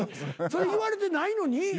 それ言われてないのに？